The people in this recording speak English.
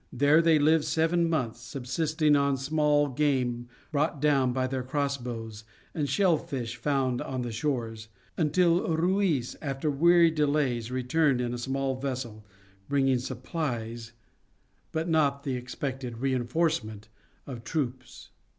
There they lived seven months, subsisting on small game brought down by their cross bows, and shell fish found on the shores, until Ruiz, after weary delays, returned in a small vessel, bringing supplies, but not the expected reinforcement of troops.